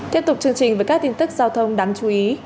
tiếp tục chương trình với các tin tức giao thông đáng chú ý